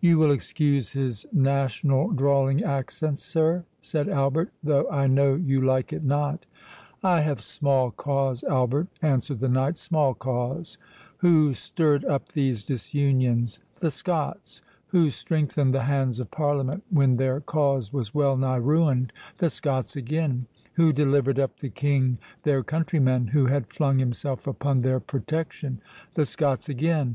"You will excuse his national drawling accent, sir?" said Albert, "though I know you like it not." "I have small cause, Albert," answered the knight—"small cause.—Who stirred up these disunions?—the Scots. Who strengthened the hands of Parliament, when their cause was well nigh ruined?—the Scots again. Who delivered up the King, their countryman, who had flung himself upon. their protection?—the Scots again.